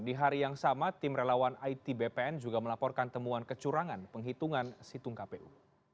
di hari yang sama tim relawan it bpn juga melaporkan temuan kecurangan penghitungan situng kpu